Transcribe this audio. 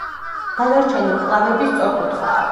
დანარჩენი მკლავები სწორკუთხაა.